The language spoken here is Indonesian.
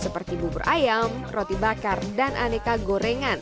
seperti bubur ayam roti bakar dan aneka gorengan